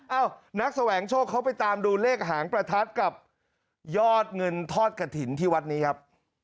นักแสวงโชคเขาไปตามดูเลขหางประทัดกับยอดเงินทอดกระถิ่นที่วัดนี้ครับ